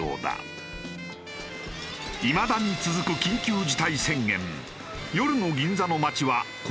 いまだに続く緊急事態宣言。